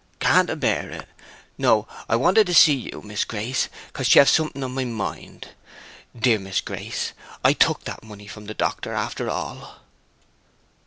"Can't abear it! No; I wanted to see you, Miss Grace, because 'ch have something on my mind. Dear Miss Grace, _I took that money of the doctor, after all!